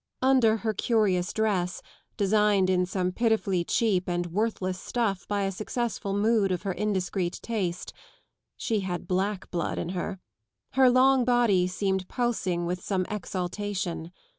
Under her curious dress, designed in some pitifully cheap and worthless stuff by a successful mood of her indiscreet taste ŌĆö she had black blood in her ŌĆö her long body seemed pulsing with some exaltation.